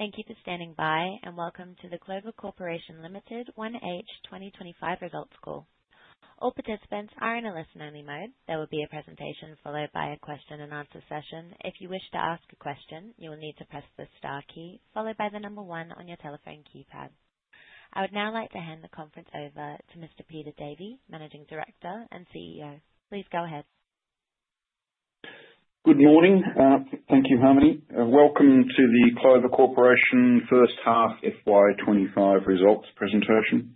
Thank you for standing by and welcome to the Clover Corporation Limited 1H 2025 results call. All participants are in a listen-only mode. There will be a presentation followed by a question-and-answer session. If you wish to ask a question, you will need to press the star key followed by the number one on your telephone keypad. I would now like to hand the conference over to Mr. Peter Davey, Managing Director and CEO. Please go ahead. Good morning. Thank you, Hamidi. Welcome to the Clover Corporation first half FY2025 results presentation.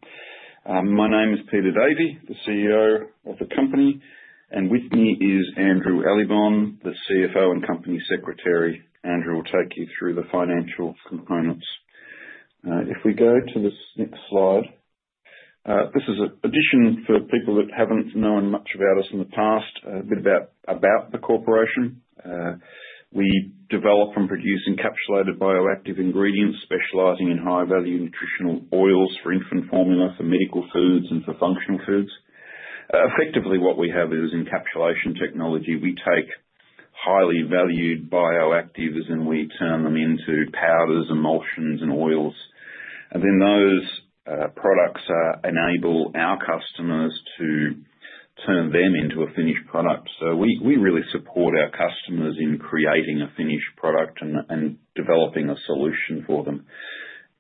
My name is Peter Davey, the CEO of the company, and with me is Andrew Allibon, the CFO and company secretary. Andrew will take you through the financial components. If we go to the next slide, this is an addition for people that haven't known much about us in the past, a bit about the corporation. We develop and produce encapsulated bioactive ingredients, specializing in high-value nutritional oils for infant formula, for medical foods, and for functional foods. Effectively, what we have is encapsulation technology. We take highly valued bioactives and we turn them into powders, emulsions, and oils. Those products enable our customers to turn them into a finished product. We really support our customers in creating a finished product and developing a solution for them.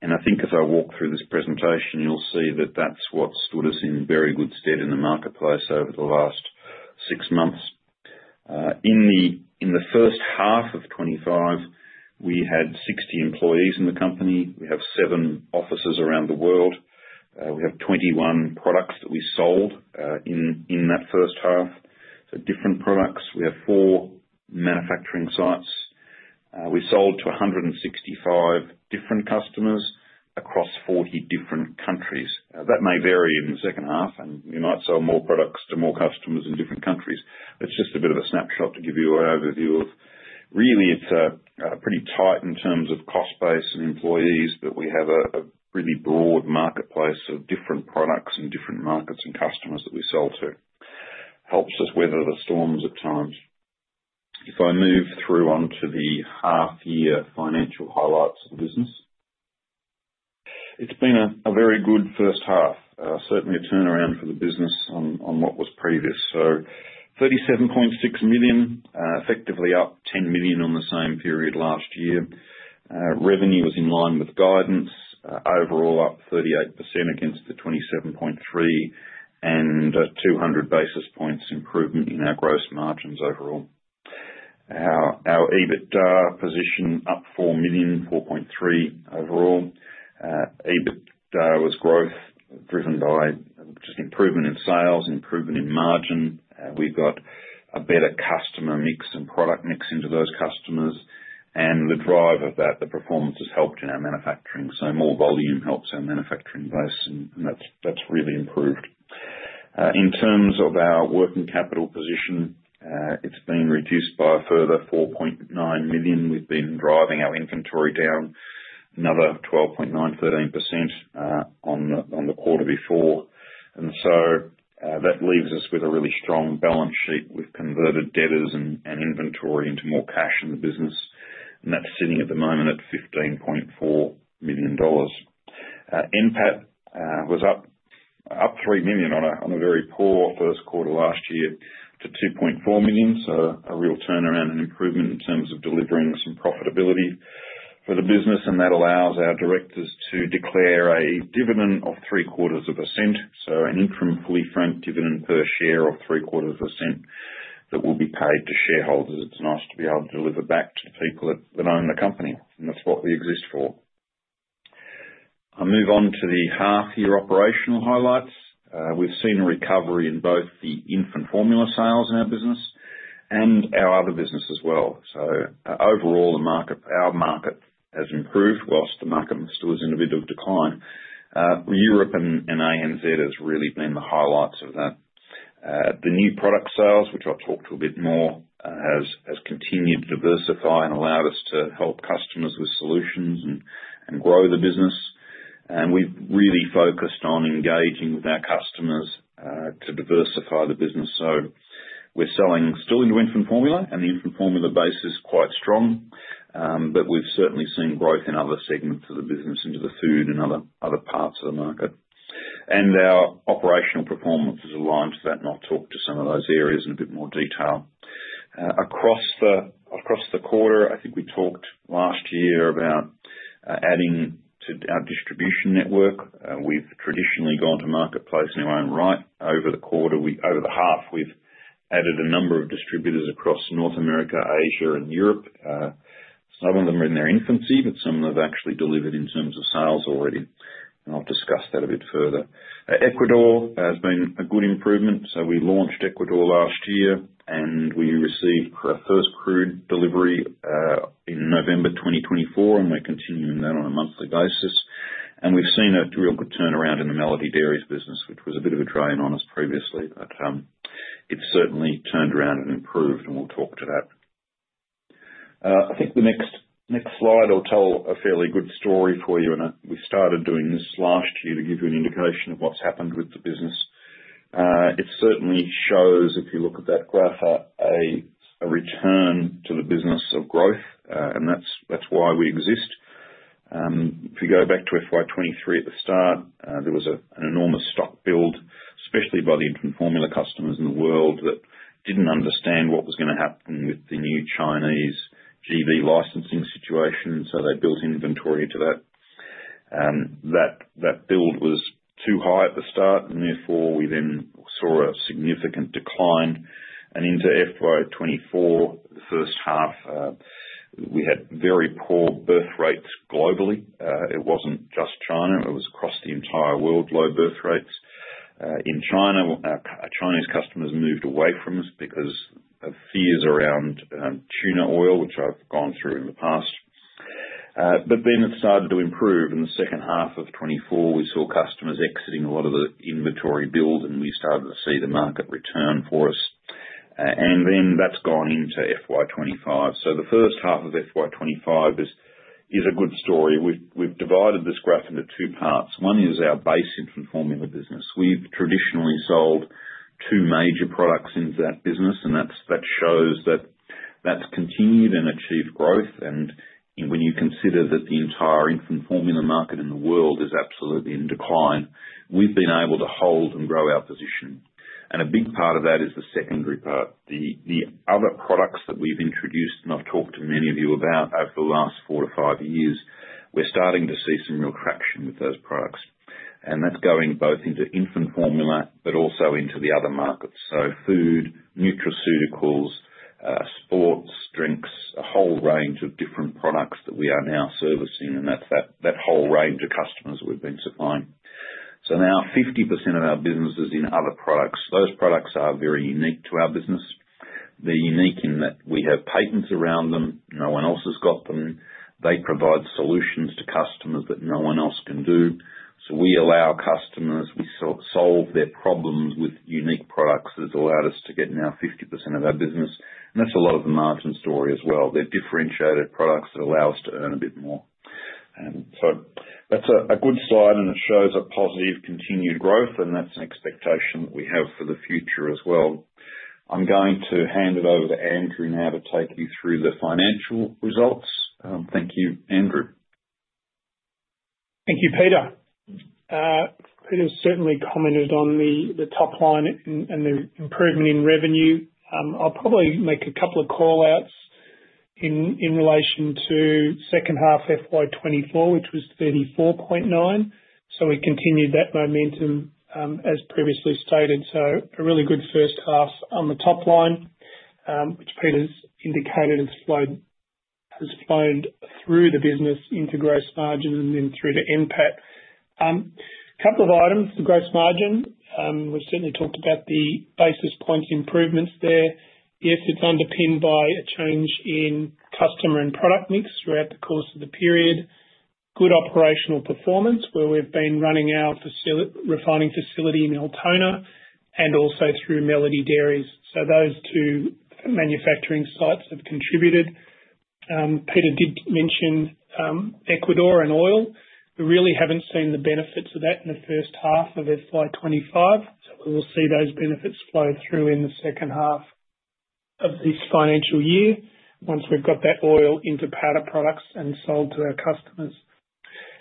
I think as I walk through this presentation, you'll see that that's what's put us in very good stead in the marketplace over the last six months. In the first half of 2025, we had 60 employees in the company. We have seven offices around the world. We have 21 products that we sold in that first half, so different products. We have four manufacturing sites. We sold to 165 different customers across 40 different countries. That may vary in the second half, and we might sell more products to more customers in different countries. That's just a bit of a snapshot to give you an overview of really, it's pretty tight in terms of cost base and employees, but we have a really broad marketplace of different products and different markets and customers that we sell to. Helps us weather the storms at times. If I move through onto the half-year financial highlights of the business, it's been a very good first half, certainly a turnaround for the business on what was previous. 37.6 million, effectively up 10 million on the same period last year. Revenue was in line with guidance, overall up 38% against the 27.3 million and 200 basis points improvement in our gross margins overall. Our EBITDA position up 4 million, 4.3 million overall. EBITDA was growth driven by just improvement in sales, improvement in margin. We've got a better customer mix and product mix into those customers. The drive of that, the performance has helped in our manufacturing. More volume helps our manufacturing base, and that's really improved. In terms of our working capital position, it's been reduced by a further 4.9 million. We've been driving our inventory down another 12.9 million, 13% on the quarter before. That leaves us with a really strong balance sheet. We have converted debtors and inventory into more cash in the business, and that is sitting at the moment at 15.4 million dollars. NPAT was up 3 million on a very poor first quarter last year to 2.4 million. A real turnaround and improvement in terms of delivering some profitability for the business. That allows our directors to declare a dividend of 0.0075, so an income-fully franked dividend per share of 0.0075 that will be paid to shareholders. It is nice to be able to deliver back to the people that own the company, and that is what we exist for. I will move on to the half-year operational highlights. We have seen a recovery in both the infant formula sales in our business and our other business as well. Overall, our market has improved whilst the market still is in a bit of decline. Europe and ANZ has really been the highlights of that. The new product sales, which I'll talk to a bit more, have continued to diversify and allowed us to help customers with solutions and grow the business. We've really focused on engaging with our customers to diversify the business. We're selling still into infant formula, and the infant formula base is quite strong, but we've certainly seen growth in other segments of the business, into the food and other parts of the market. Our operational performance is aligned to that, and I'll talk to some of those areas in a bit more detail. Across the quarter, I think we talked last year about adding to our distribution network. We've traditionally gone to marketplace in our own right. Over the quarter, over the half, we've added a number of distributors across North America, Asia, and Europe. Some of them are in their infancy, but some have actually delivered in terms of sales already, and I'll discuss that a bit further. Ecuador has been a good improvement. We launched Ecuador last year, and we received our first crude delivery in November 2024, and we're continuing that on a monthly basis. We've seen a real good turnaround in the Melody Dairies business, which was a bit of a drain on us previously, but it's certainly turned around and improved, and we'll talk to that. I think the next slide will tell a fairly good story for you, and we started doing this last year to give you an indication of what's happened with the business. It certainly shows, if you look at that graph, a return to the business of growth, and that's why we exist. If you go back to FY2023 at the start, there was an enormous stock build, especially by the infant formula customers in the world, that did not understand what was going to happen with the new Chinese GB licensing situation, so they built inventory into that. That build was too high at the start, and therefore we then saw a significant decline. Into FY2024, the first half, we had very poor birth rates globally. It was not just China; it was across the entire world, low birth rates. In China, Chinese customers moved away from us because of fears around tuna oil, which I have gone through in the past. It started to improve. In the second half of 2024, we saw customers exiting a lot of the inventory build, and we started to see the market return for us. That has gone into FY2025. The first half of FY2025 is a good story. We have divided this graph into two parts. One is our base infant formula business. We have traditionally sold two major products into that business, and that shows that that has continued and achieved growth. When you consider that the entire infant formula market in the world is absolutely in decline, we have been able to hold and grow our position. A big part of that is the secondary part. The other products that we have introduced, and I have talked to many of you about over the last four to five years, we are starting to see some real traction with those products. That is going both into infant formula, but also into the other markets, so food, nutraceuticals, sports, drinks, a whole range of different products that we are now servicing, and that is that whole range of customers we have been supplying. Now 50% of our business is in other products. Those products are very unique to our business. They are unique in that we have patents around them. No one else has got them. They provide solutions to customers that no one else can do. We allow customers, we solve their problems with unique products that have allowed us to get now 50% of our business. That is a lot of the margin story as well. They are differentiated products that allow us to earn a bit more. That is a good slide, and it shows a positive continued growth, and that is an expectation that we have for the future as well. I'm going to hand it over to Andrew now to take you through the financial results. Thank you, Andrew. Thank you, Peter. Peter's certainly commented on the top line and the improvement in revenue. I'll probably make a couple of callouts in relation to second half FY2024, which was 34.9. We continued that momentum as previously stated. A really good first half on the top line, which Peter's indicated has flown through the business into gross margin and then through to NPAT. A couple of items, the gross margin. We've certainly talked about the basis point improvements there. Yes, it's underpinned by a change in customer and product mix throughout the course of the period. Good operational performance where we've been running our refining facility in Altona and also through Melody Dairies. Those two manufacturing sites have contributed. Peter did mention Ecuador and oil. We really haven't seen the benefits of that in the first half of FY2025, so we will see those benefits flow through in the second half of this financial year once we've got that oil into powder products and sold to our customers.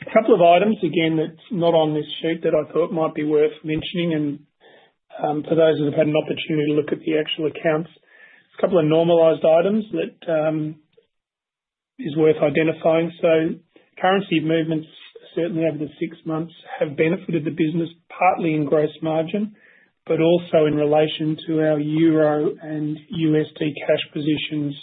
A couple of items, again, that's not on this sheet that I thought might be worth mentioning, and for those who have had an opportunity to look at the actual accounts, a couple of normalized items that is worth identifying. Currency movements certainly over the six months have benefited the business partly in gross margin, but also in relation to our euro and USD cash positions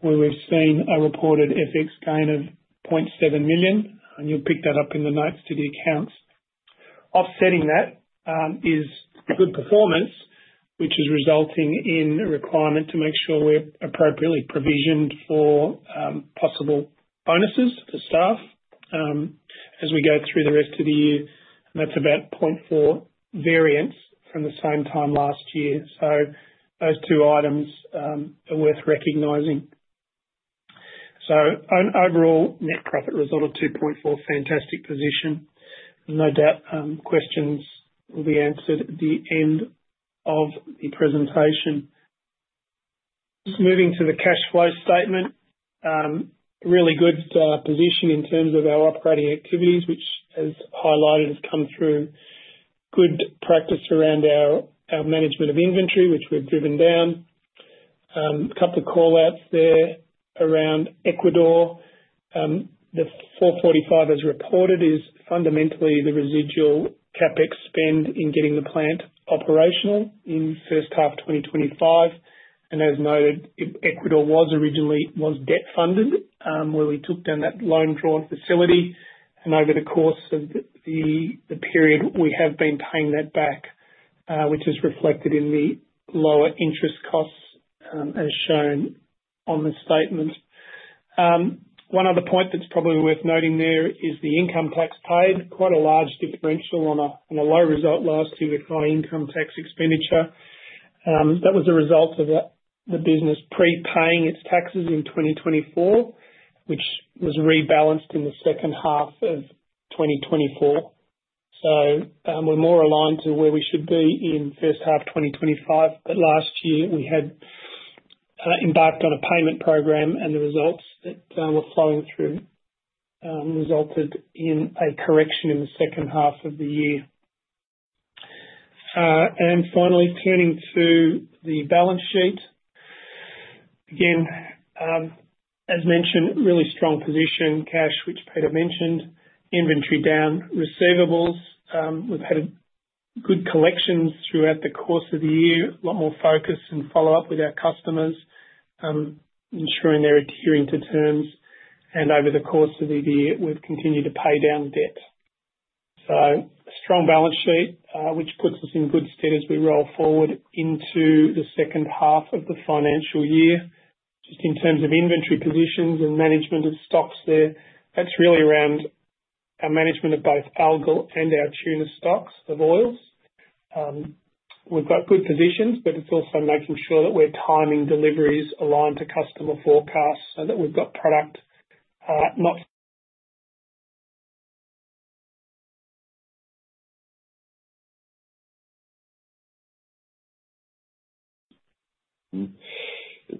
where we've seen a reported FX gain of 0.7 million, and you'll pick that up in the notes to the accounts. Offsetting that is good performance, which is resulting in a requirement to make sure we're appropriately provisioned for possible bonuses for staff as we go through the rest of the year. That is about a 0.4 variance from the same time last year. Those two items are worth recognizing. Overall, net profit result of 2.4 million, fantastic position. No doubt questions will be answered at the end of the presentation. Just moving to the cash flow statement, really good position in terms of our operating activities, which, as highlighted, has come through good practice around our management of inventory, which we've driven down. A couple of callouts there around Ecuador. The 445,000, as reported, is fundamentally the residual CapEx spend in getting the plant operational in first half 2025. As noted, Ecuador was originally debt funded where we took down that loan-drawn facility. Over the course of the period, we have been paying that back, which is reflected in the lower interest costs as shown on the statement. One other point that's probably worth noting there is the income tax paid, quite a large differential on a low result last year with high income tax expenditure. That was a result of the business prepaying its taxes in 2024, which was rebalanced in the second half of 2024. We are more aligned to where we should be in first half 2025, but last year we had embarked on a payment program, and the results that were flowing through resulted in a correction in the second half of the year. Finally, turning to the balance sheet, again, as mentioned, really strong position, cash, which Peter mentioned, inventory down, receivables. We've had good collections throughout the course of the year, a lot more focus and follow-up with our customers, ensuring they're adhering to terms. Over the course of the year, we've continued to pay down debt. Strong balance sheet, which puts us in good stead as we roll forward into the second half of the financial year. Just in terms of inventory positions and management of stocks there, that's really around our management of both algal and our tuna stocks of oils. We've got good positions, but it's also making sure that we're timing deliveries aligned to customer forecasts so that we've got product not.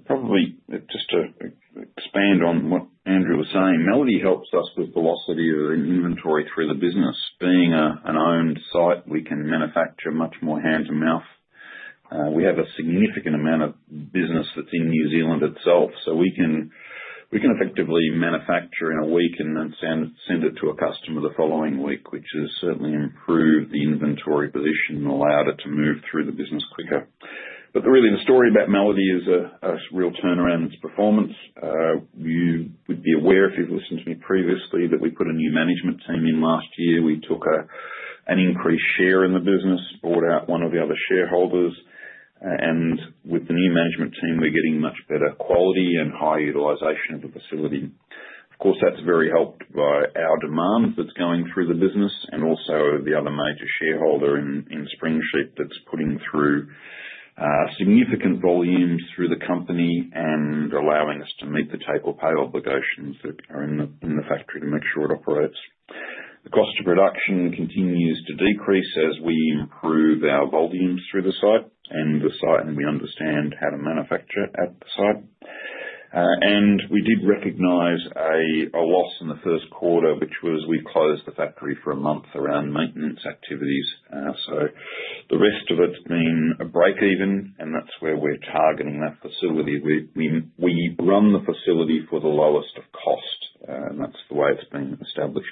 Probably just to expand on what Andrew was saying, Melody helps us with velocity of inventory through the business. Being an owned site, we can manufacture much more hand-to-mouth. We have a significant amount of business that's in New Zealand itself, so we can effectively manufacture in a week and then send it to a customer the following week, which has certainly improved the inventory position and allowed it to move through the business quicker. Really, the story about Melody is a real turnaround in its performance. You would be aware, if you've listened to me previously, that we put a new management team in last year. We took an increased share in the business, bought out one of the other shareholders, and with the new management team, we're getting much better quality and high utilization of the facility. Of course, that's very helped by our demand that's going through the business and also the other major shareholder in Spring Sheep that's putting through significant volumes through the company and allowing us to meet the take-or-pay obligations that are in the factory to make sure it operates. The cost of production continues to decrease as we improve our volumes through the site and the site and we understand how to manufacture at the site. We did recognize a loss in the first quarter, which was we closed the factory for a month around maintenance activities. The rest of it's been a break even, and that's where we're targeting that facility. We run the facility for the lowest of cost, and that's the way it's been established.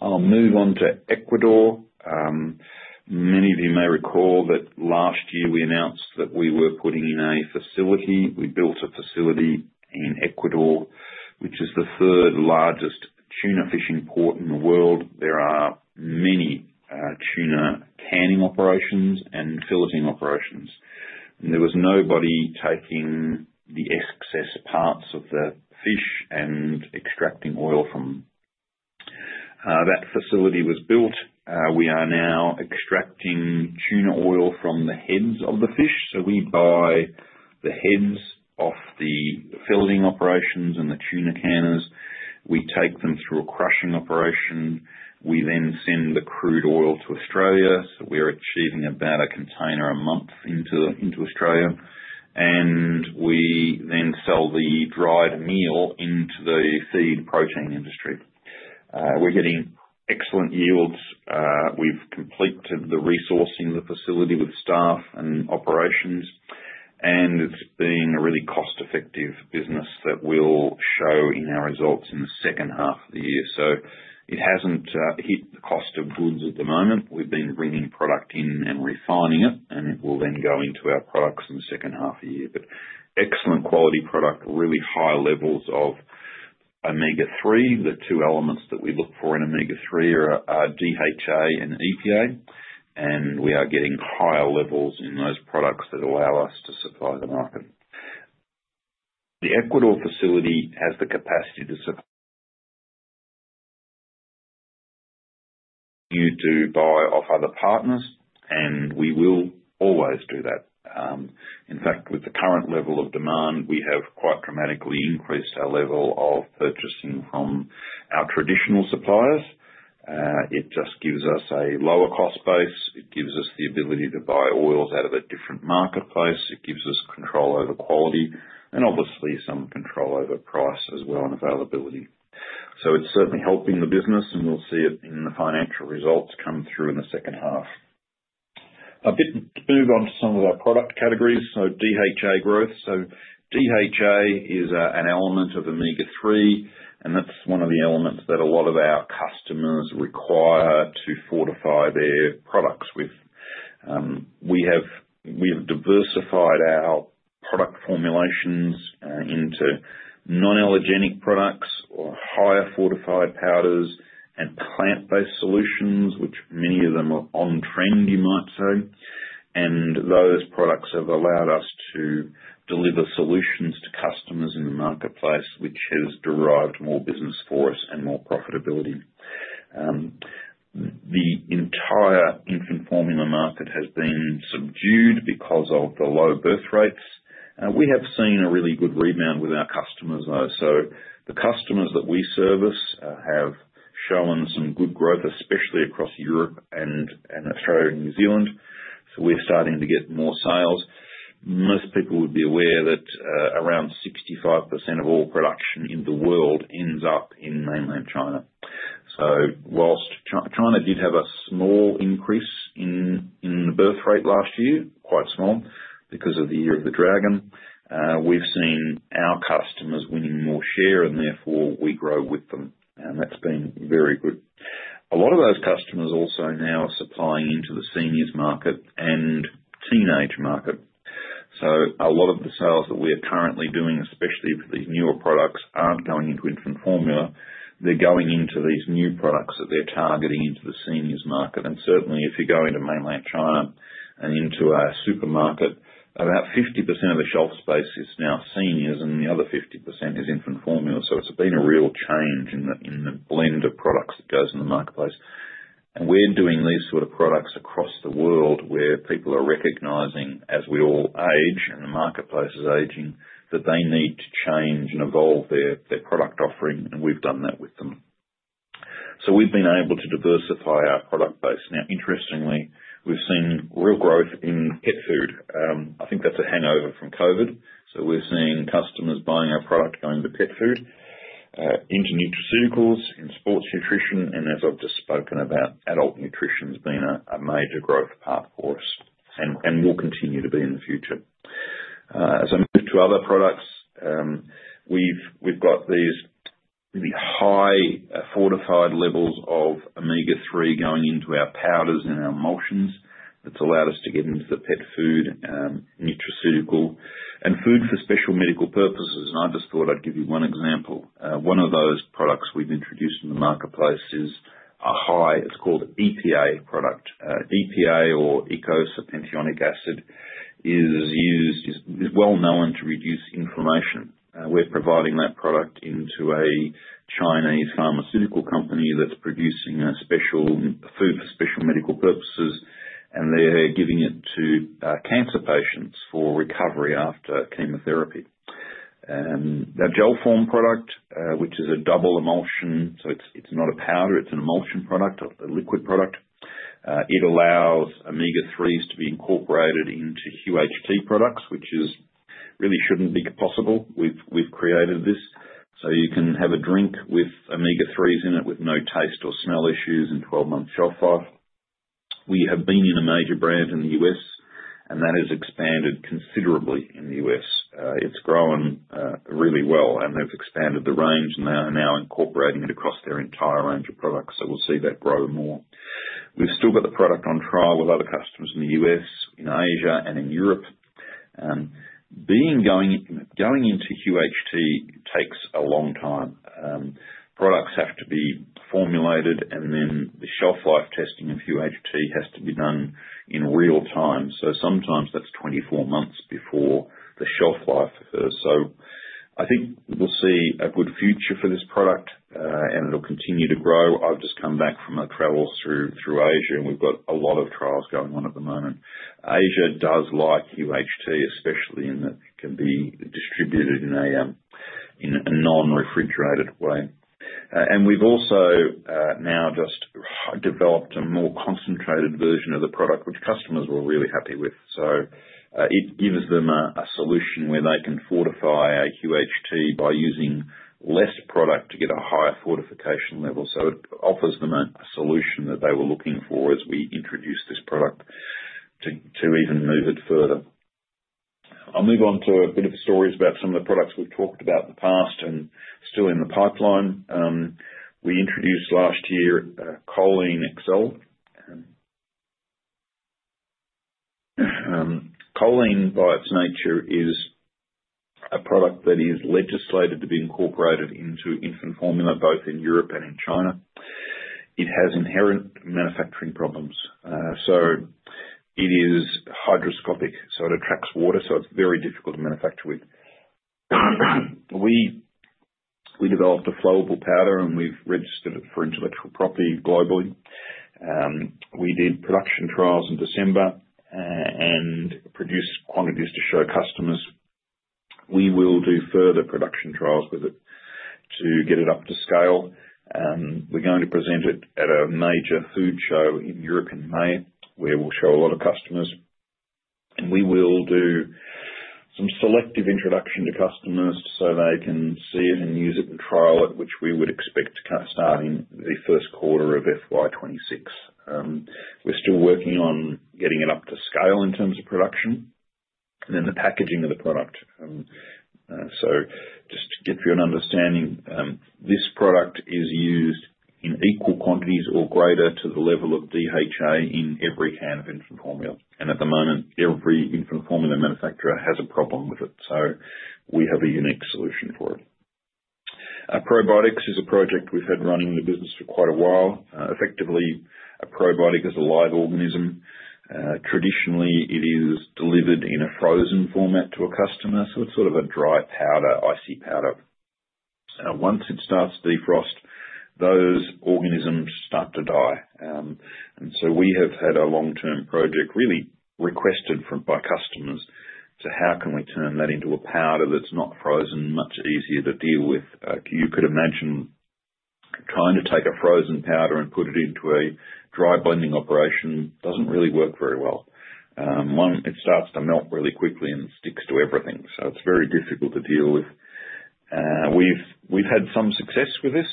I'll move on to Ecuador. Many of you may recall that last year we announced that we were putting in a facility. We built a facility in Ecuador, which is the third largest tuna fishing port in the world. There are many tuna canning operations and filleting operations. There was nobody taking the excess parts of the fish and extracting oil from. That facility was built. We are now extracting tuna oil from the heads of the fish, so we buy the heads off the filleting operations and the tuna canners. We take them through a crushing operation. We then send the crude oil to Australia, so we're achieving about a container a month into Australia. We then sell the dried meal into the feed protein industry. We're getting excellent yields. We've completed the resourcing of the facility with staff and operations, and it's being a really cost-effective business that will show in our results in the second half of the year. It hasn't hit the cost of goods at the moment. We've been bringing product in and refining it, and it will then go into our products in the second half of the year. Excellent quality product, really high levels of Omega-3. The two elements that we look for in Omega-3 are DHA and EPA, and we are getting higher levels in those products that allow us to supply the market. The Ecuador facility has the capacity to. You do buy off other partners, and we will always do that. In fact, with the current level of demand, we have quite dramatically increased our level of purchasing from our traditional suppliers. It just gives us a lower cost base. It gives us the ability to buy oils out of a different marketplace. It gives us control over quality and obviously some control over price as well and availability. It is certainly helping the business, and we will see it in the financial results come through in the second half. A bit to move on to some of our product categories. DHA growth. DHA is an element of Omega-3, and that is one of the elements that a lot of our customers require to fortify their products with. We have diversified our product formulations into non-allergenic products or higher fortified powders and plant-based solutions, which many of them are on trend, you might say. Those products have allowed us to deliver solutions to customers in the marketplace, which has derived more business for us and more profitability. The entire infant formula market has been subdued because of the low birth rates. We have seen a really good rebound with our customers, though. The customers that we service have shown some good growth, especially across Europe and Australia and New Zealand. We are starting to get more sales. Most people would be aware that around 65% of all production in the world ends up in mainland China. While China did have a small increase in the birth rate last year, quite small because of the Year of the Dragon, we have seen our customers winning more share, and therefore we grow with them. That has been very good. A lot of those customers also now are supplying into the seniors' market and teenage market. A lot of the sales that we are currently doing, especially for these newer products, are not going into infant formula. They're going into these new products that they're targeting into the seniors' market. If you go into mainland China and into a supermarket, about 50% of the shelf space is now seniors, and the other 50% is infant formula. It has been a real change in the blend of products that goes in the marketplace. We're doing these sort of products across the world where people are recognizing, as we all age and the marketplace is aging, that they need to change and evolve their product offering, and we've done that with them. We've been able to diversify our product base. Interestingly, we've seen real growth in pet food. I think that's a hangover from COVID. We're seeing customers buying our product, going to pet food, into nutraceuticals, in sports nutrition, and as I've just spoken about, adult nutrition has been a major growth path for us and will continue to be in the future. As I move to other products, we've got these really high fortified levels of Omega-3 going into our powders and our emulsions that's allowed us to get into the pet food, nutraceutical, and food for special medical purposes. I just thought I'd give you one example. One of those products we've introduced in the marketplace is a high, it's called EPA product. EPA or eicosapentaenoic acid is used as well known to reduce inflammation. We're providing that product into a Chinese pharmaceutical company that's producing a special food for special medical purposes, and they're giving it to cancer patients for recovery after chemotherapy. Now, Gelphorm product, which is a double emulsion, so it's not a powder, it's an emulsion product, a liquid product. It allows Omega-3s to be incorporated into UHT products, which really shouldn't be possible. We've created this. You can have a drink with Omega-3s in it with no taste or smell issues in 12-month shelf life. We have been in a major brand in the U.S., and that has expanded considerably in the U.S. It's grown really well, and they've expanded the range, and they are now incorporating it across their entire range of products. We will see that grow more. We've still got the product on trial with other customers in the U.S., in Asia, and in Europe. Being going into UHT takes a long time. Products have to be formulated, and then the shelf life testing of UHT has to be done in real time. Sometimes that's 24 months before the shelf life occurs. I think we'll see a good future for this product, and it'll continue to grow. I've just come back from a travel through Asia, and we've got a lot of trials going on at the moment. Asia does like UHT, especially in that it can be distributed in a non-refrigerated way. We've also now just developed a more concentrated version of the product, which customers were really happy with. It gives them a solution where they can fortify a UHT by using less product to get a higher fortification level. It offers them a solution that they were looking for as we introduced this product to even move it further. I'll move on to a bit of stories about some of the products we've talked about in the past and still in the pipeline. We introduced last year choline XL. Choline, by its nature, is a product that is legislated to be incorporated into infant formula, both in Europe and in China. It has inherent manufacturing problems. It is hygroscopic, so it attracts water, so it's very difficult to manufacture with. We developed a flowable powder, and we've registered it for intellectual property globally. We did production trials in December and produced quantities to show customers. We will do further production trials with it to get it up to scale. We are going to present it at a major food show in Europe in May, where we'll show a lot of customers. We will do some selective introduction to customers so they can see it and use it and trial it, which we would expect to start in the first quarter of FY2026. We're still working on getting it up to scale in terms of production and then the packaging of the product. Just to give you an understanding, this product is used in equal quantities or greater to the level of DHA in every can of infant formula. At the moment, every infant formula manufacturer has a problem with it. We have a unique solution for it. Probiotics is a project we've had running in the business for quite a while. Effectively, a probiotic is a live organism. Traditionally, it is delivered in a frozen format to a customer. It's sort of a dry powder, icy powder. Once it starts to defrost, those organisms start to die. We have had a long-term project really requested by customers to how can we turn that into a powder that's not frozen, much easier to deal with. You could imagine trying to take a frozen powder and put it into a dry blending operation does not really work very well. It starts to melt really quickly and sticks to everything. It is very difficult to deal with. We have had some success with this.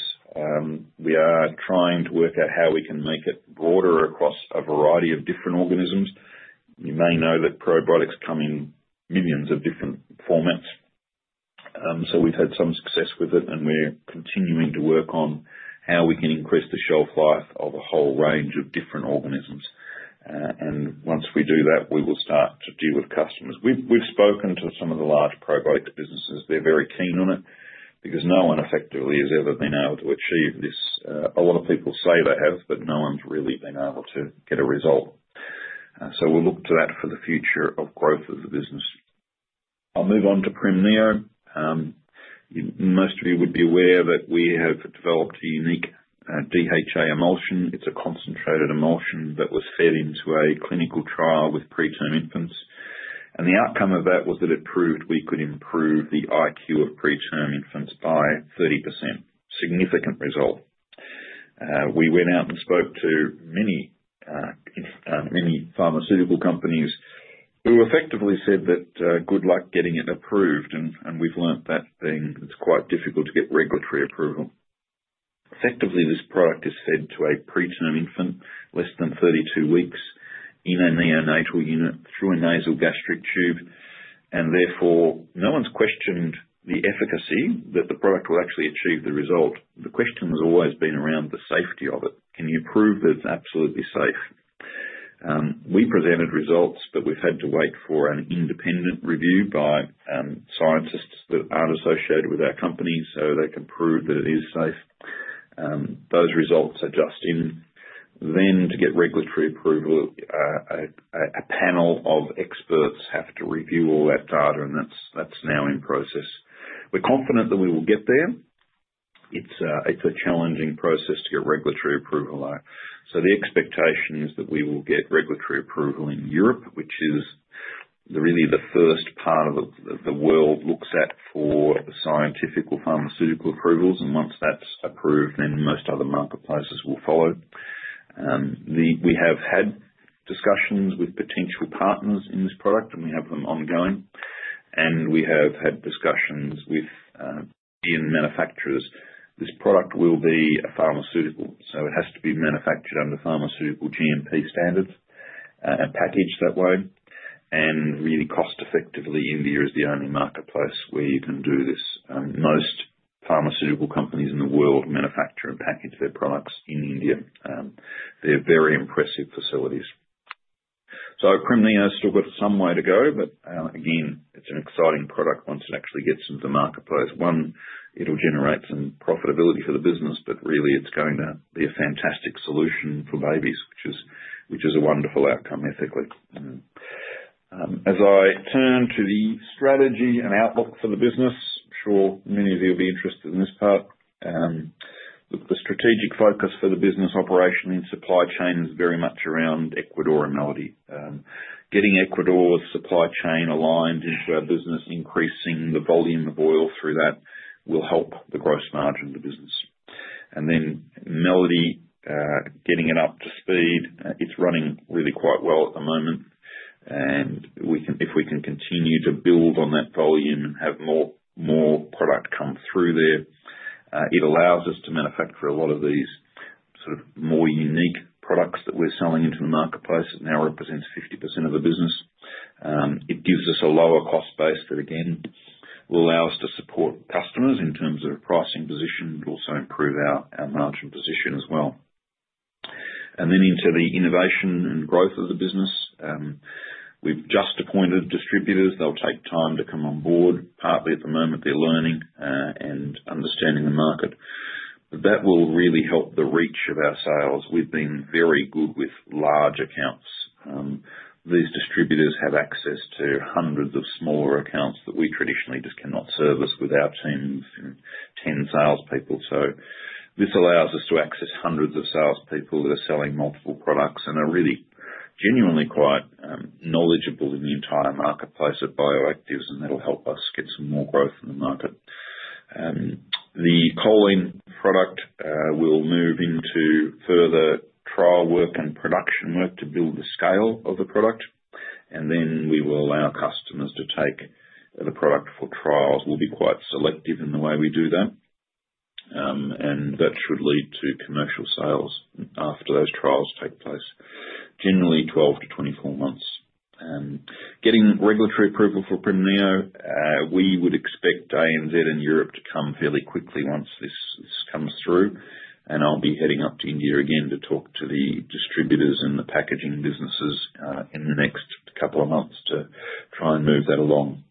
We are trying to work out how we can make it broader across a variety of different organisms. You may know that probiotics come in millions of different formats. We have had some success with it, and we are continuing to work on how we can increase the shelf life of a whole range of different organisms. Once we do that, we will start to deal with customers. We have spoken to some of the large probiotic businesses. They are very keen on it because no one effectively has ever been able to achieve this. A lot of people say they have, but no one's really been able to get a result. We will look to that for the future of growth of the business. I'll move on to Premneo. Most of you would be aware that we have developed a unique DHA emulsion. It's a concentrated emulsion that was fed into a clinical trial with preterm infants. The outcome of that was that it proved we could improve the IQ of preterm infants by 30%. Significant result. We went out and spoke to many pharmaceutical companies who effectively said that good luck getting it approved. We have learned that it's quite difficult to get regulatory approval. Effectively, this product is fed to a preterm infant less than 32 weeks in a neonatal unit through a nasogastric tube. Therefore, no one's questioned the efficacy that the product will actually achieve the result. The question has always been around the safety of it. Can you prove that it's absolutely safe? We presented results, but we've had to wait for an independent review by scientists that aren't associated with our company so they can prove that it is safe. Those results are just in. To get regulatory approval, a panel of experts have to review all that data, and that's now in process. We're confident that we will get there. It's a challenging process to get regulatory approval. The expectation is that we will get regulatory approval in Europe, which is really the first part of the world looks at for scientific or pharmaceutical approvals. Once that's approved, most other marketplaces will follow. We have had discussions with potential partners in this product, and we have them ongoing. We have had discussions with manufacturers. This product will be a pharmaceutical, so it has to be manufactured under pharmaceutical GMP standards, packaged that way, and really cost-effectively in India is the only marketplace where you can do this. Most pharmaceutical companies in the world manufacture and package their products in India. They're very impressive facilities. Premneo has still got some way to go, but again, it's an exciting product once it actually gets into the marketplace. One, it'll generate some profitability for the business, but really, it's going to be a fantastic solution for babies, which is a wonderful outcome ethically. As I turn to the strategy and outlook for the business, I'm sure many of you will be interested in this part. The strategic focus for the business operation in supply chain is very much around Ecuador and Melody. Getting Ecuador's supply chain aligned into our business, increasing the volume of oil through that will help the gross margin of the business. Melody, getting it up to speed, it's running really quite well at the moment. If we can continue to build on that volume and have more product come through there, it allows us to manufacture a lot of these sort of more unique products that we're selling into the marketplace that now represents 50% of the business. It gives us a lower cost base that, again, will allow us to support customers in terms of pricing position, but also improve our margin position as well. Into the innovation and growth of the business, we've just appointed distributors. They'll take time to come on board. Partly at the moment, they're learning and understanding the market. That will really help the reach of our sales. We've been very good with large accounts. These distributors have access to hundreds of smaller accounts that we traditionally just cannot service with our team of 10 salespeople. This allows us to access hundreds of salespeople that are selling multiple products and are really genuinely quite knowledgeable in the entire marketplace of bioactives, and that'll help us get some more growth in the market. The choline product will move into further trial work and production work to build the scale of the product. We will allow customers to take the product for trials. We'll be quite selective in the way we do that. That should lead to commercial sales after those trials take place. Generally, 12 months-24 months. Getting regulatory approval for Premneo, we would expect an MA in Europe to come fairly quickly once this comes through. I'll be heading up to India again to talk to the distributors and the packaging businesses in the next couple of months to try and move that along.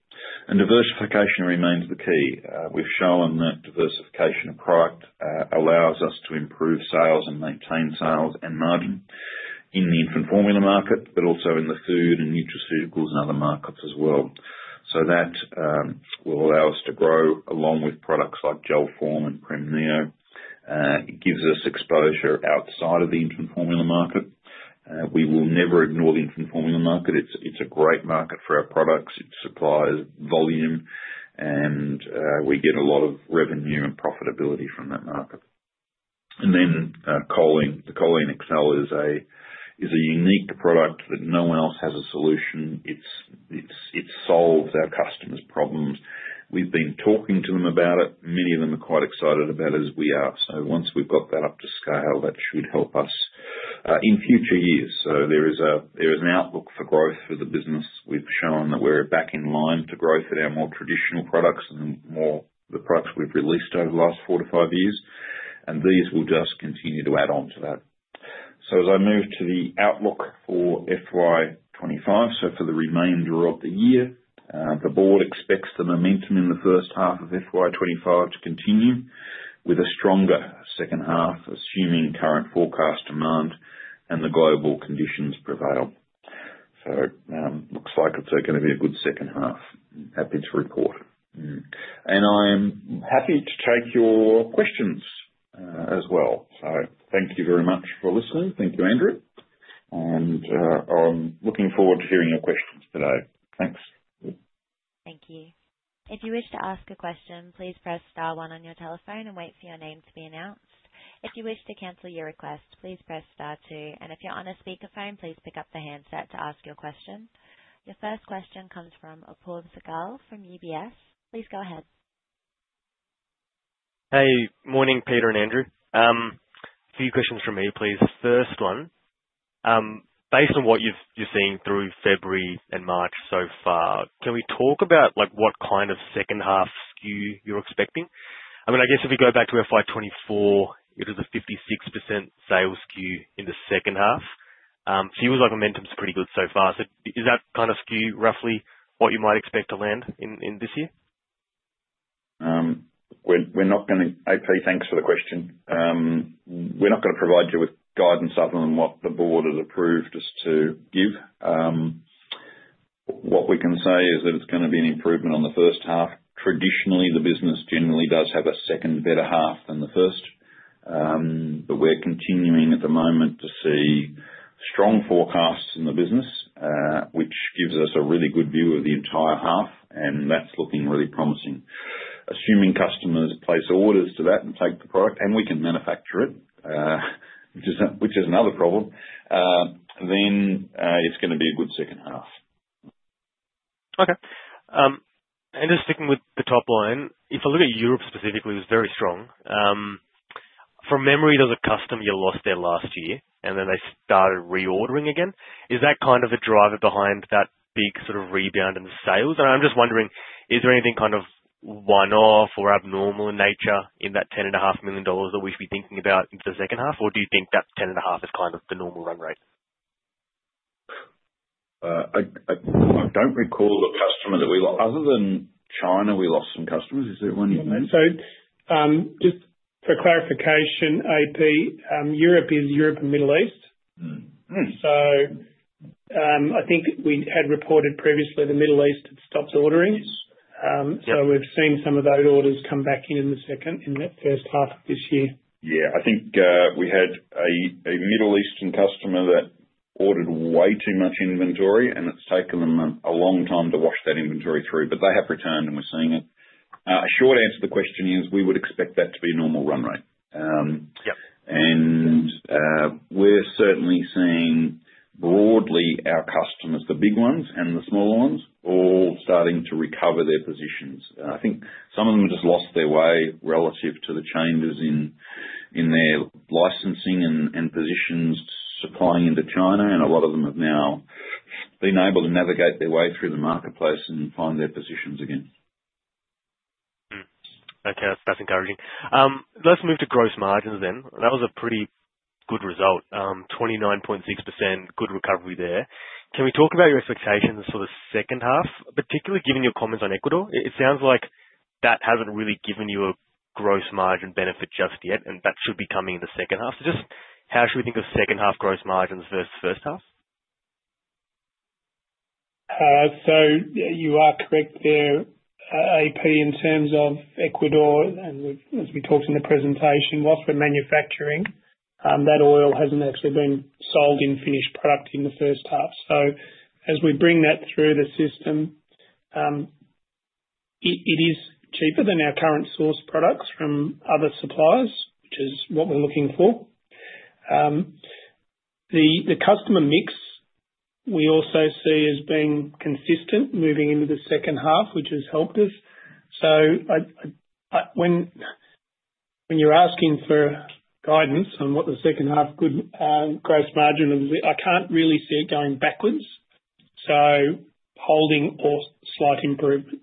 Diversification remains the key. We've shown that diversification of product allows us to improve sales and maintain sales and margin in the infant formula market, but also in the food and nutraceuticals and other markets as well. That will allow us to grow along with products like Gelphorm and Premneo. It gives us exposure outside of the infant formula market. We will never ignore the infant formula market. It's a great market for our products. It supplies volume, and we get a lot of revenue and profitability from that market. Choline XL is a unique product that no one else has a solution for. It solves our customers' problems. We've been talking to them about it. Many of them are quite excited about it as we are. Once we've got that up to scale, that should help us in future years. There is an outlook for growth for the business. We've shown that we're back in line to growth in our more traditional products and the products we've released over the last four to five years. These will just continue to add on to that. As I move to the outlook for FY2025, for the remainder of the year, the board expects the momentum in the first half of FY2025 to continue with a stronger second half, assuming current forecast demand and the global conditions prevail. It looks like it's going to be a good second half. Happy to report. I'm happy to take your questions as well. Thank you very much for listening. Thank you, Andrew. I'm looking forward to hearing your questions today. Thanks. Thank you. If you wish to ask a question, please press star one on your telephone and wait for your name to be announced. If you wish to cancel your request, please press star two. If you're on a speakerphone, please pick up the handset to ask your question. Your first question comes from Apoorv Sehgal from UBS. Please go ahead. Hey. Morning, Peter and Andrew. A few questions from me, please. First one, based on what you've seen through February and March so far, can we talk about what kind of second half skew you're expecting? I mean, I guess if we go back to FY2024, it was a 56% sales skew in the second half. Fuel's momentum's pretty good so far. Is that kind of skew roughly what you might expect to land in this year? We're not going to, okay, thanks for the question. We're not going to provide you with guidance other than what the board has approved us to give. What we can say is that it's going to be an improvement on the first half. Traditionally, the business generally does have a second better half than the first. We're continuing at the moment to see strong forecasts in the business, which gives us a really good view of the entire half. That's looking really promising. Assuming customers place orders to that and take the product, and we can manufacture it, which is another problem, then it's going to be a good second half. Okay. Just sticking with the top line, if I look at Europe specifically, it was very strong. From memory, there was a customer you lost there last year, and then they started reordering again. Is that kind of a driver behind that big sort of rebound in the sales? I'm just wondering, is there anything kind of one-off or abnormal in nature in that 10.5 million dollars that we should be thinking about in the second half? Or do you think that 10.5 million is kind of the normal run rate? I don't recall the customer that we lost. Other than China, we lost some customers. Is that what you meant? Just for clarification, AP, Europe is Europe and Middle East. I think we had reported previously the Middle East had stopped ordering. We have seen some of those orders come back in the first half of this year. I think we had a Middle Eastern customer that ordered way too much inventory, and it has taken them a long time to wash that inventory through. They have returned, and we are seeing it. Short answer to the question is we would expect that to be a normal run rate. We are certainly seeing broadly our customers, the big ones and the smaller ones, all starting to recover their positions. I think some of them have just lost their way relative to the changes in their licensing and positions supplying into China. A lot of them have now been able to navigate their way through the marketplace and find their positions again. Okay. That's encouraging. Let's move to gross margins then. That was a pretty good result. 29.6%, good recovery there. Can we talk about your expectations for the second half, particularly given your comments on Ecuador? It sounds like that hasn't really given you a gross margin benefit just yet, and that should be coming in the second half. Just how should we think of second half gross margins versus first half? You are correct there, Apoorv, in terms of Ecuador. As we talked in the presentation, whilst we're manufacturing, that oil hasn't actually been sold in finished product in the first half. As we bring that through the system, it is cheaper than our current source products from other suppliers, which is what we're looking for. The customer mix we also see as being consistent moving into the second half, which has helped us. When you're asking for guidance on what the second half gross margin is, I can't really see it going backwards. Holding or slight improvement.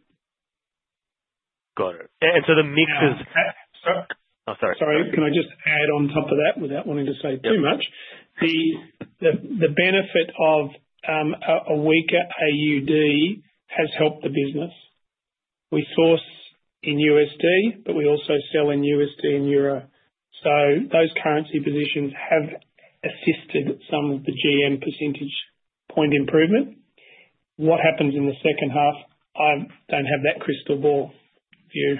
Got it. The mix is—oh, sorry. Sorry. Can I just add on top of that without wanting to say too much? The benefit of a weaker AUD has helped the business. We source in USD, but we also sell in USD and EUR. Those currency positions have assisted some of the GM percentage point improvement. What happens in the second half? I don't have that crystal ball view.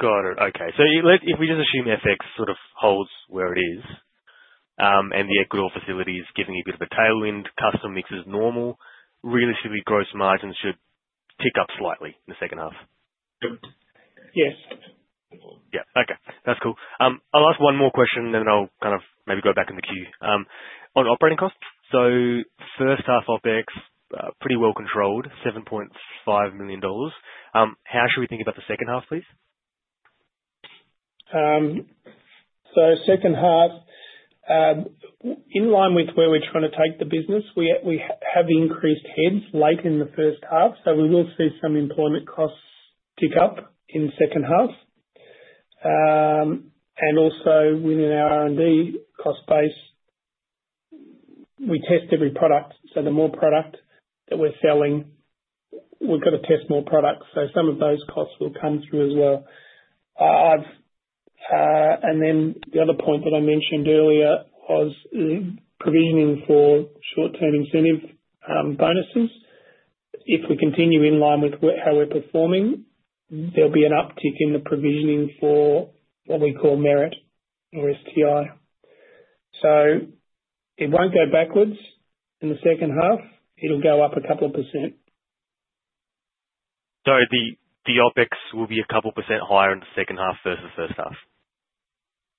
Got it. Okay. If we just assume FX sort of holds where it is and the Ecuador facility is giving a bit of a tailwind, custom mix is normal, realistically, gross margins should tick up slightly in the second half. Yes. Yeah. Okay. That's cool. I'll ask one more question, and then I'll kind of maybe go back in the queue. On operating costs, first half OpEx pretty well controlled, 7.5 million dollars. How should we think about the second half, please? Second half, in line with where we're trying to take the business, we have increased heads late in the first half. We will see some employment costs tick up in the second half. Also within our R&D cost base, we test every product. The more product that we're selling, we've got to test more products. Some of those costs will come through as well. The other point that I mentioned earlier was provisioning for short-term incentive bonuses. If we continue in line with how we're performing, there'll be an uptick in the provisioning for what we call merit or STI. It won't go backwards in the second half. It'll go up a couple of percent. The OpEx will be a couple percent higher in the second half versus first half?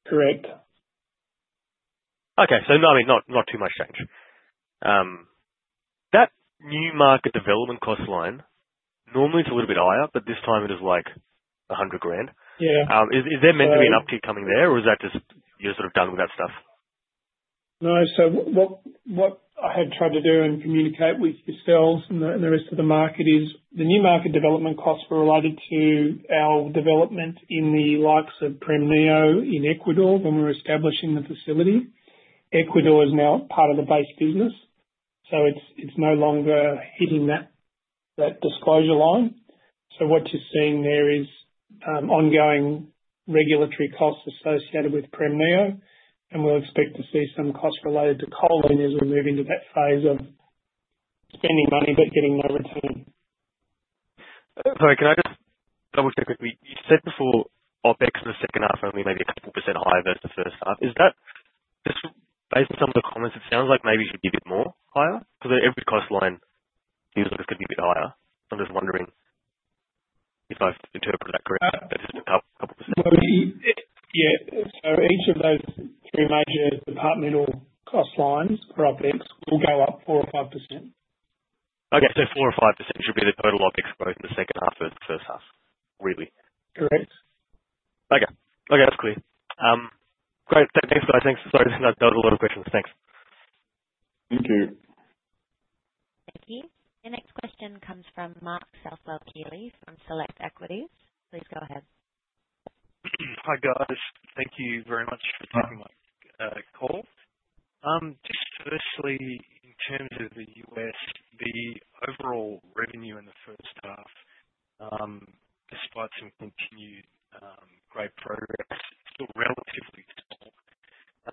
Correct. Okay. Not too much change. That new market development cost line, normally it's a little bit higher, but this time it is like 100,000. Is there meant to be an uptick coming there, or is that just you're sort of done with that stuff? No. What I had tried to do and communicate with yourselves and the rest of the market is the new market development costs were related to our development in the likes of Premneo in Ecuador when we were establishing the facility. Ecuador is now part of the base business. It is no longer hitting that disclosure line. What you are seeing there is ongoing regulatory costs associated with Premneo. We will expect to see some costs related to choline as we move into that phase of spending money but getting no return. Sorry. Can I just double-check quickly? You said before OpEx in the second half only maybe a couple % higher versus the first half. Is that just based on the comments? It sounds like maybe it should be a bit more higher because every cost line feels like it could be a bit higher. I'm just wondering if I've interpreted that correctly. That's just a couple percent. Yeah. So each of those three major departmental cost lines for OpEx will go up 4%-5%. Okay. So 4%-5% should be the total OpEx growth in the second half versus first half, really? Correct. Okay. Okay. That's clear. Great. Thanks, guys. Thanks. Sorry. That was a load of questions. Thanks. Thank you. Thank you. The next question comes from Mark Southwell-Keely from Select Equities. Please go ahead. Hi, guys. Thank you very much for taking my call. Just firstly, in terms of the U.S., the overall revenue in the first half, despite some continued great progress, it's still relatively small.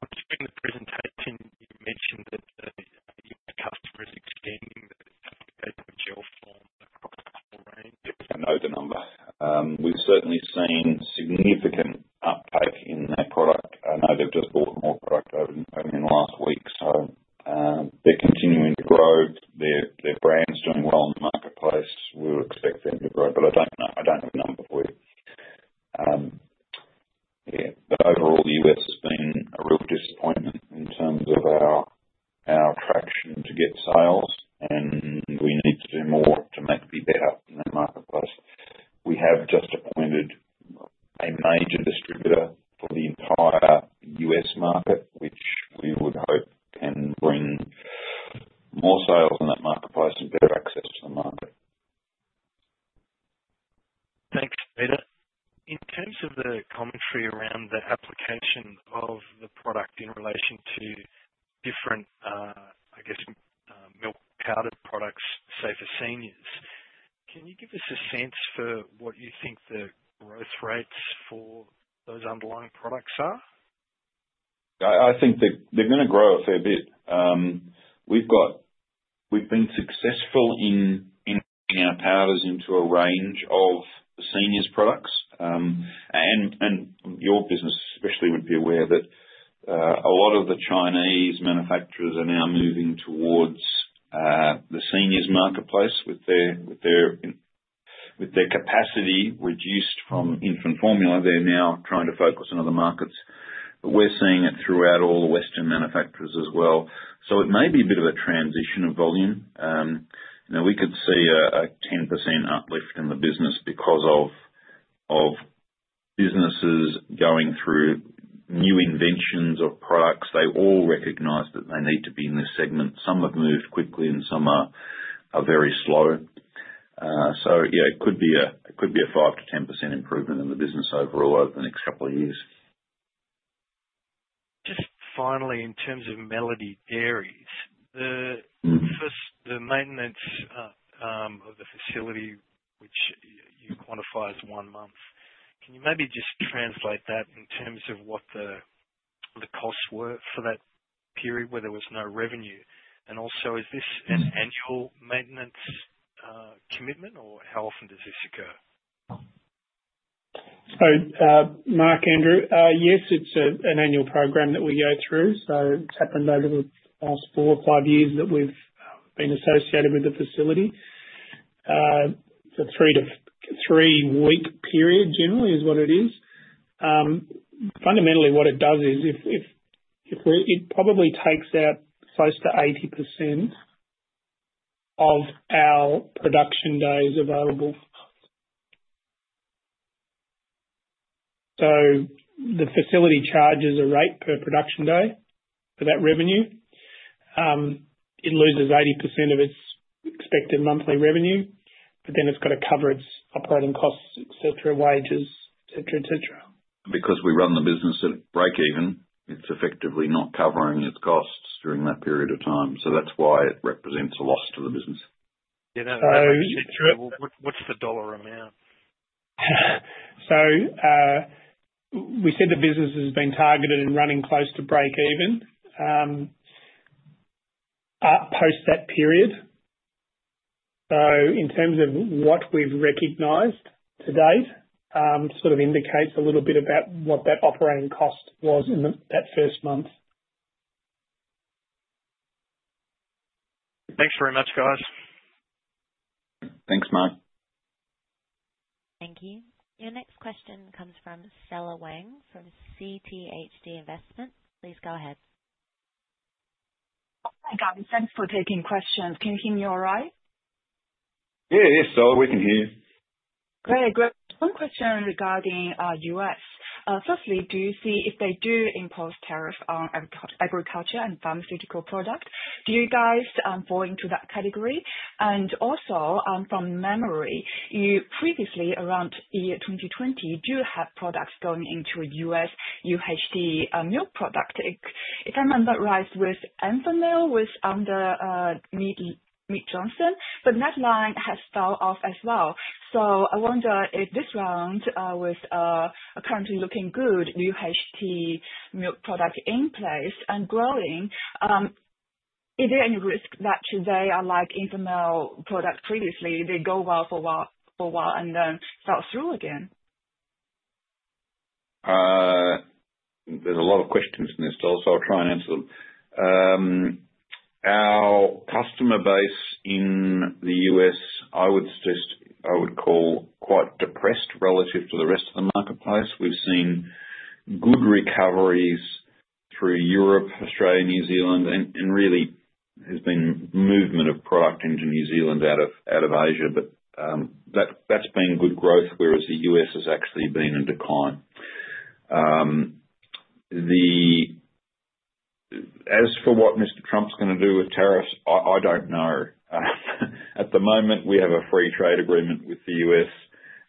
During the presentation, you mentioned that your customers are extending the application of Gelphorm across the whole range. I know the number. We've certainly seen significant uptake in their product. I know they've just bought more product over in the last week. They're continuing to grow. Their brand's doing well in the marketplace. We would expect them to grow. I don't have a number for you. Yeah. Overall, the U.S. has been a real disappointment in terms of our traction to get sales. just appointed a major distributor for the entire U.S. market, which we would hope can bring more sales in that marketplace and better access to the market. Thanks, Peter. In terms of the commentary around the application of the product in relation to different, I guess, milk powdered products, say, for seniors, can you give us a sense for what you think the growth rates for those underlying products are? I think they're going to grow a fair bit. We've been successful in inking our powders into a range of seniors' products. Your business especially would be aware that a lot of the Chinese manufacturers are now moving towards the seniors' marketplace with their capacity reduced from infant formula. They're now trying to focus on other markets. We are seeing it throughout all the Western manufacturers as well. It may be a bit of a transition of volume. We could see a 10% uplift in the business because of businesses going through new inventions of products. They all recognize that they need to be in this segment. Some have moved quickly, and some are very slow. It could be a 5%-10% improvement in the business overall over the next couple of years. Just finally, in terms of Melody Dairies, the maintenance of the facility, which you quantify as one month, can you maybe just translate that in terms of what the costs were for that period where there was no revenue? Also, is this an annual maintenance commitment, or how often does this occur? Mark, Andrew, yes, it's an annual program that we go through. It's happened over the last four or five years that we've been associated with the facility. It's a three-week period, generally, is what it is. Fundamentally, what it does is it probably takes out close to 80% of our production days available. The facility charges a rate per production day for that revenue. It loses 80% of its expected monthly revenue. Then it's got to cover its operating costs, wages, etc., etc. Because we run the business at break-even, it's effectively not covering its costs during that period of time. That's why it represents a loss to the business. Yeah. That's true. What's the dollar amount? We said the business has been targeted and running close to break-even post that period. In terms of what we've recognized to date, sort of indicates a little bit about what that operating cost was in that first month. Thanks very much, guys. Thanks, Mark. Thank you. Your next question comes from Stella Wang from CTHD Investment. Please go ahead. Hi, [Davey]. Thanks for taking questions. Can you hear me all right? Yeah. Yes, Stella. We can hear you. Great. Great. One question regarding U.S. Firstly, do you see if they do impose tariffs on agriculture and pharmaceutical products? Do you guys fall into that category? Also, from memory, you previously, around the year 2020, do have products going into U.S. UHT milk products. If I remember right, it was Enfamil with under Mead Johnson. That line has fell off as well. I wonder if this round with currently looking good UHT milk product in place and growing, is there any risk that they are like Enfamil product previously? They go well for a while and then fell through again? There's a lot of questions in this. I'll try and answer them. Our customer base in the U.S., I would call quite depressed relative to the rest of the marketplace. We've seen good recoveries through Europe, Australia, New Zealand, and really there's been movement of product into New Zealand out of Asia. That's been good growth, whereas the U.S. has actually been in decline. As for what Mr. Trump's going to do with tariffs, I don't know. At the moment, we have a free trade agreement with the U.S.,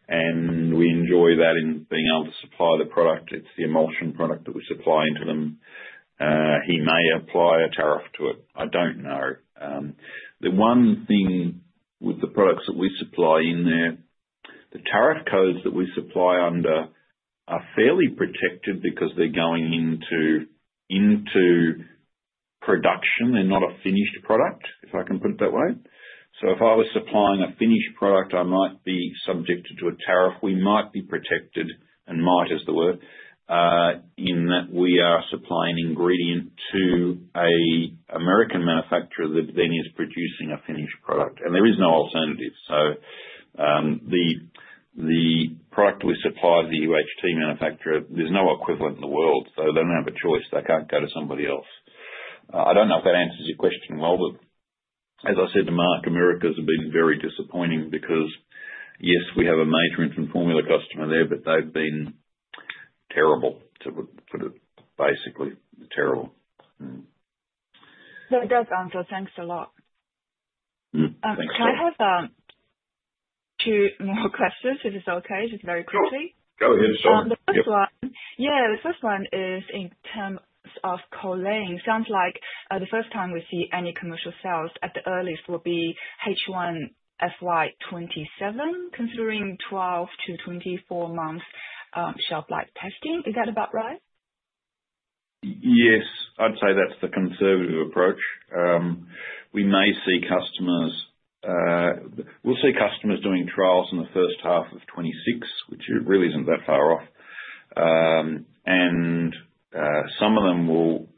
and we enjoy that in being able to supply the product. It's the emulsion product that we supply into them. He may apply a tariff to it. I don't know. The one thing with the products that we supply in there, the tariff codes that we supply under are fairly protected because they're going into production. They're not a finished product, if I can put it that way. If I was supplying a finished product, I might be subjected to a tariff. We might be protected and might, as the word, in that we are supplying ingredient to an American manufacturer that then is producing a finished product. There is no alternative. The product we supply to the UHT manufacturer, there's no equivalent in the world. They don't have a choice. They can't go to somebody else. I don't know if that answers your question well, but as I said to Mark, Americas have been very disappointing because, yes, we have a major infant formula customer there, but they've been terrible, to put it basically. Terrible. No, it does answer. Thanks a lot. Thanks. Can I have two more questions, if it's okay, just very quickly? Go ahead. Sure. The first one, yeah, the first one is in terms of choline. Sounds like the first time we see any commercial sales at the earliest will be H1 FY2027, considering 12-24 months shelf life testing. Is that about right? Yes. I'd say that's the conservative approach. We may see customers, we'll see customers doing trials in the first half of 2026, which really isn't that far off. Some of them will,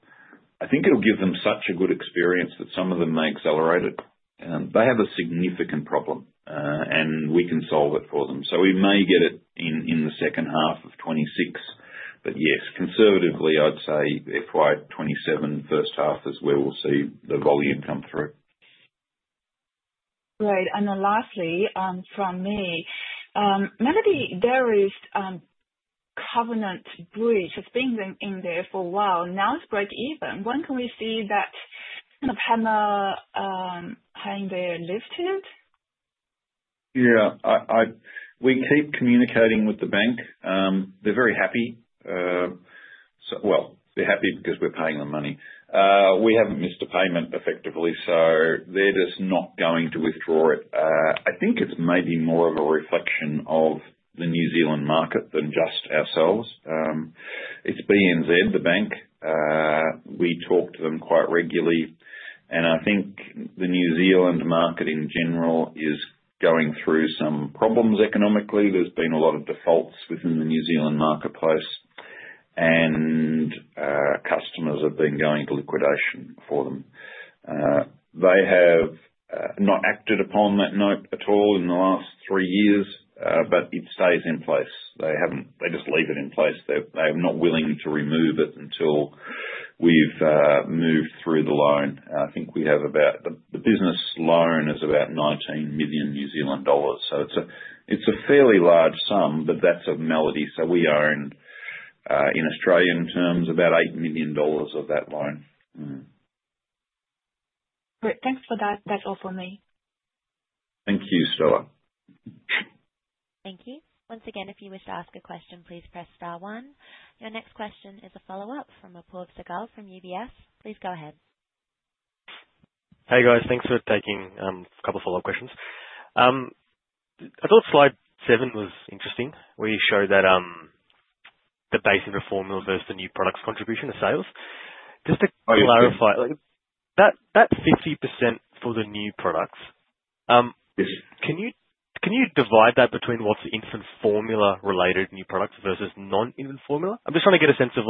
I think, it'll give them such a good experience that some of them may accelerate it. They have a significant problem, and we can solve it for them. We may get it in the second half of 2026. Yes, conservatively, I'd say FY2027 first half is where we'll see the volume come through. Great. Lastly, from me, Melody Dairies covenant breach has been in there for a while. Now it's break-even. When can we see that kind of hammer hang there lifted? Yes. We keep communicating with the bank. They're very happy. They're happy because we're paying them money. We haven't missed a payment, effectively. They're just not going to withdraw it. I think it's maybe more of a reflection of the New Zealand market than just ourselves. It's BNZ, the bank. We talk to them quite regularly. I think the New Zealand market in general is going through some problems economically. There's been a lot of defaults within the New Zealand marketplace. Customers have been going to liquidation for them. They have not acted upon that note at all in the last three years, but it stays in place. They just leave it in place. They're not willing to remove it until we've moved through the loan. I think we have about the business loan is about 19 million New Zealand dollars. It's a fairly large sum, but that's of Melody. We own, in Australian terms, about 8 million dollars of that loan. Great. Thanks for that. That's all from me. Thank you, Stella. Thank you. Once again, if you wish to ask a question, please press star one. Your next question is a follow-up from Apoorv Sehgal from UBS. Please go ahead. Hey, guys. Thanks for taking a couple of follow-up questions. I thought slide seven was interesting. We showed that the base infant formula versus the new products contribution to sales. Just to clarify, that 50% for the new products, can you divide that between what's infant formula-related new products versus non-infant formula? I'm just trying to get a sense of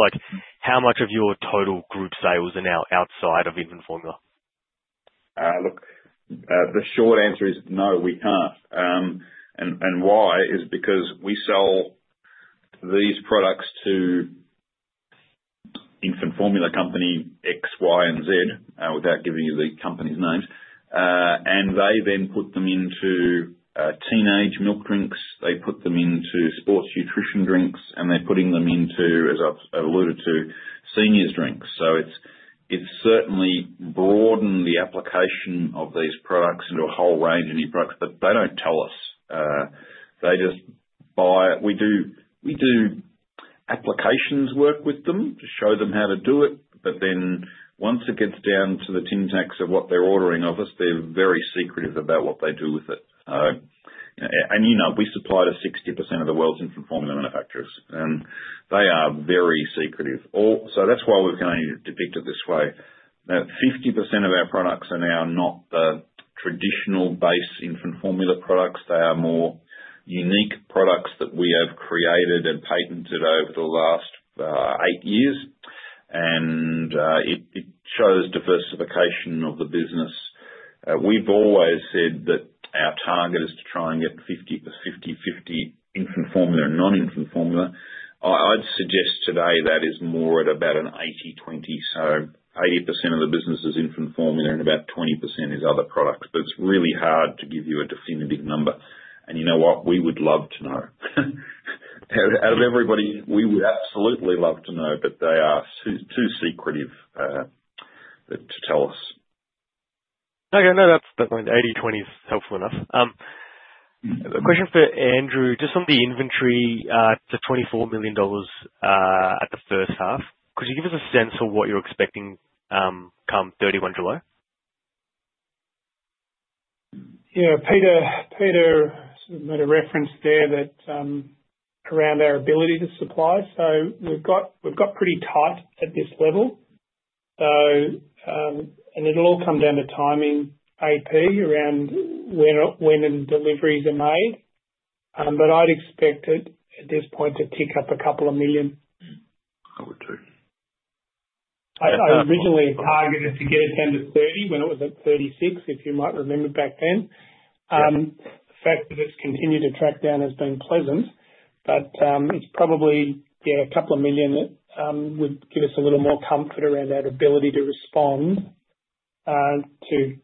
how much of your total group sales are now outside of infant formula. Look, the short answer is no, we can't. And why? It's because we sell these products to infant formula company X, Y, and Z without giving you the companies' names. They then put them into teenage milk drinks. They put them into sports nutrition drinks. They're putting them into, as I've alluded to, seniors' drinks. It has certainly broadened the application of these products into a whole range of new products. They do not tell us. They just buy it. We do applications work with them to show them how to do it. Once it gets down to the tin tacks of what they are ordering of us, they are very secretive about what they do with it. We supply to 60% of the world's infant formula manufacturers. They are very secretive. That is why we can only depict it this way. Now, 50% of our products are now not the traditional base infant formula products. They are more unique products that we have created and patented over the last eight years. It shows diversification of the business. We have always said that our target is to try and get 50/50 infant formula and non-infant formula. I would suggest today that is more at about an 80/20. Eighty percent of the business is infant formula and about 20% is other products. It's really hard to give you a definitive number. You know what? We would love to know. Out of everybody, we would absolutely love to know. They are too secretive to tell us. Okay. No, that's definitely 80/20 is helpful enough. A question for Andrew, just on the inventory to 24 million dollars at the first half, could you give us a sense of what you're expecting come 31 July? Yeah. Peter sort of made a reference there around our ability to supply. We've got pretty tight at this level. It'll all come down to timing Apoorv around when deliveries are made. I'd expect at this point to tick up a couple of million. I would too. I originally targeted to get it down to 30 when it was at 36, if you might remember back then. The fact that it's continued to track down has been pleasant. It's probably, yeah, a couple of million that would give us a little more comfort around our ability to respond to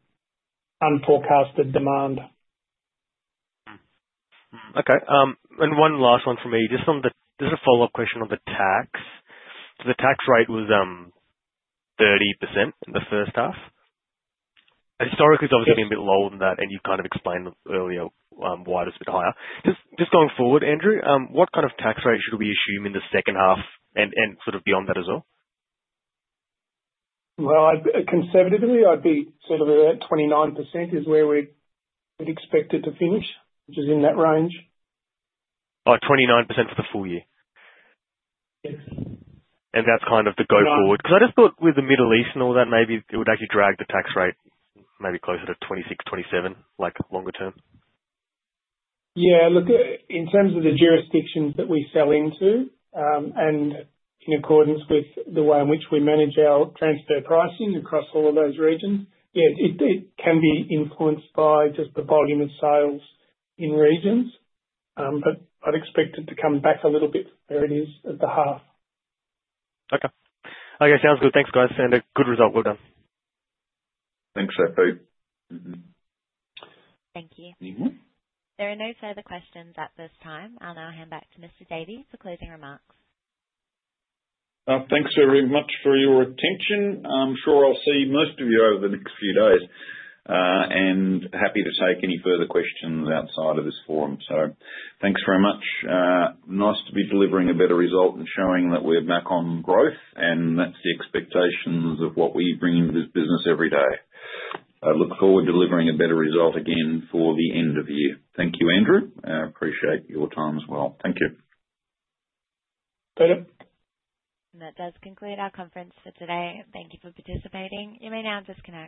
unforecasted demand. Okay. One last one for me. Just a follow-up question on the tax. The tax rate was 30% in the first half. Historically, it's obviously been a bit lower than that. You kind of explained earlier why it was a bit higher. Going forward, Andrew, what kind of tax rate should we assume in the second half and sort of beyond that as well? Conservatively, I'd be sort of at 29% is where we'd expect it to finish, which is in that range. 29% for the full year? Yes. That's kind of the go forward? Because I just thought with the Middle East and all that, maybe it would actually drag the tax rate maybe closer to 26%-27% longer term. Yeah. Look, in terms of the jurisdictions that we sell into and in accordance with the way in which we manage our transfer pricing across all of those regions, it can be influenced by just the volume of sales in regions. I'd expect it to come back a little bit where it is at the half. Okay. Okay. Sounds good. Thanks, guys. A good result. Well done. Thanks, Sehgal. Thank you. There are no further questions at this time. I'll now hand back to Mr. Davey for closing remarks. Thanks very much for your attention. I'm sure I'll see most of you over the next few days. Happy to take any further questions outside of this forum. Thank you very much. Nice to be delivering a better result and showing that we're back on growth. That is the expectation of what we bring into this business every day. I look forward to delivering a better result again for the end of the year. Thank you, Andrew. I appreciate your time as well. Thank you. Thank you. That does conclude our conference for today. Thank you for participating. You may now disconnect.